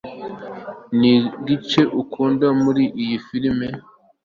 Niki gice ukunda muri iyo firime